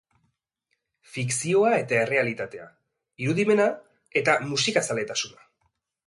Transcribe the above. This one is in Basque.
Fikzioa eta errealitaea, irudimena eta musika zaletasuna.